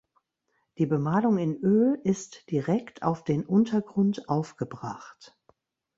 Die Bemalung in Öl ist direkt auf den Untergrund aufgebracht.